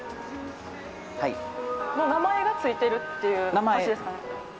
名前がついてるっていう話ですかね。